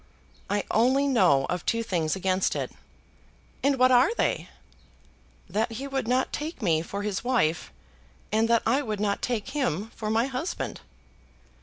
"I only know of two things against it." "And what are they?" "That he would not take me for his wife, and that I would not take him for my husband."